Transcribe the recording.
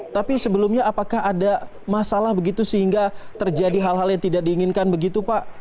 tapi sebelumnya apakah ada masalah begitu sehingga terjadi hal hal yang tidak diinginkan begitu pak